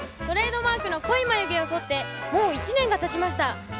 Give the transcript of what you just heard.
トレードマークの濃い眉毛をそってもう１年がたちました。